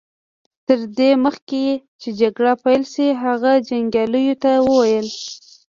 تر دې مخکې چې جګړه پيل شي هغه جنګياليو ته وويل.